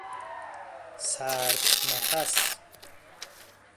سرد نفس